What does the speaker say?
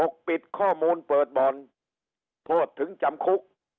ปิดข้อมูลเปิดบ่อนโทษถึงจำคุก